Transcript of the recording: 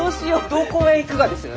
どこへ行くがです？